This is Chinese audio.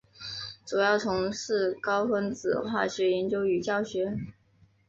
主要从事高分子化学研究与教学。